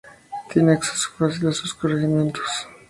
Tiene acceso fácil a sus corregimientos.